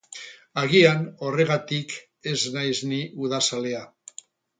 Agian horregatik ez naiz ni udazalea.